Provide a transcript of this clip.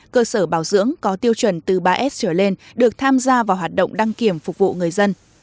cơ sở bảo dưỡng có tiêu chuẩn từ ba s trở lên được tham gia vào hoạt động đăng kiểm phục vụ người dân